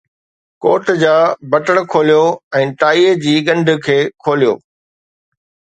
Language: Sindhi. ڪوٽ جا بٽڻ کوليو ۽ ٽائي جي ڳنڍ کي کوليو